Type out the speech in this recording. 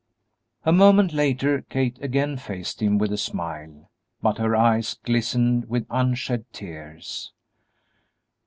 A moment later Kate again faced him with a smile, but her eyes glistened with unshed tears.